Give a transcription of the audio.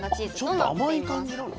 あっちょっと甘い感じなの？